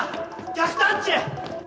逆探知！